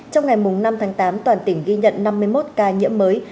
trong ngày năm tháng tám toàn tỉnh ghi nhận năm mươi một ca nhiễm mới